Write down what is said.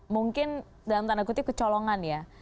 mungkin dalam tanda kutip kecolongan ya